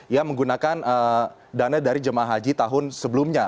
yang menggunakan dana dari jemaah haji tahun sebelumnya